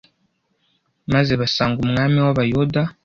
maze basanga umwami wabayuda